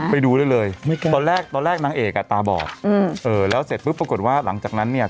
ไปดูได้เลยตอนแรกตอนแรกนางเอกอ่ะตาบอดแล้วเสร็จปุ๊บปรากฏว่าหลังจากนั้นเนี่ย